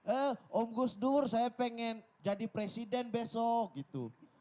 eh om gus dur saya pengen jadi presiden besok gitu